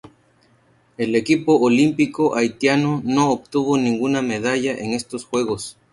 El equipo olímpico haitiano no obtuvo ninguna medalla en estos Juegos.